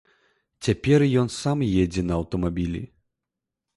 Цяпер ён сам едзе на аўтамабілі.